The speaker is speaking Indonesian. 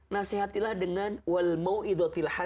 nasehatilah dengan kesabaran